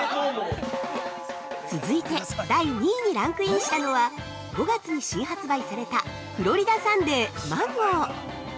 ◆続いて、第２位にランクインしたのは、５月に新発売された「フロリダサンデーマンゴー」